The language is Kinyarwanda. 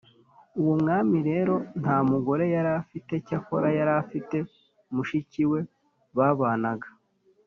uwo mwami rero nta mugore yari afite, cyakora yari afite mushiki we babanaga.